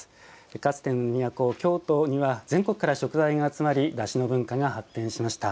かつて都、京都には全国から食材が集まりだしの文化が発展しました。